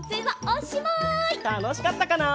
たのしかったかな？